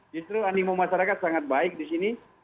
justru animo masyarakat sangat baik di sini